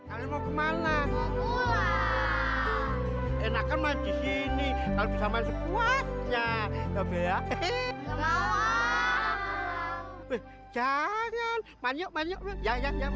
alah alah alah